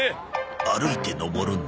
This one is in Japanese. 歩いて上るんだ。